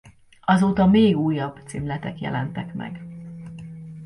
Azóta még újabb címletek jelentek meg.